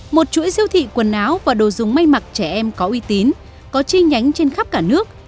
một chuỗi siêu thị quần áo và đồ dùng may mặc trẻ em có uy tín có chi nhánh trên khắp cả nước